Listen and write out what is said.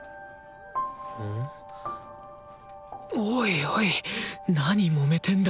おいおいなにもめてんだ